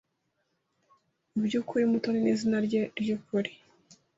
Mubyukuri, Mutoni nizina rye ryukuri.